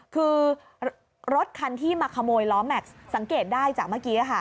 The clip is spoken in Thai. คือรถคันที่มาขโมยล้อแม็กซ์สังเกตได้จากเมื่อกี้ค่ะ